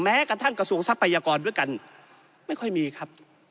แม้กระทั่งกระทรวงทรัพยากรด้วยกันไม่ค่อยมีครับ